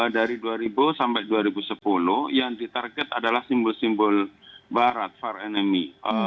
dari dua ribu sampai dua ribu sepuluh yang ditarget adalah simbol simbol barat var enemy